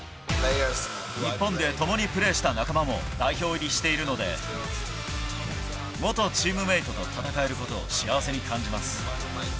日本で共にプレーした仲間も代表入りしているので、元チームメートと戦えることを幸せに感じます。